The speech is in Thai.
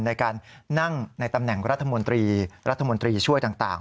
ในการนั่งในตำแหน่งรัฐมนตรีรัฐมนตรีช่วยต่าง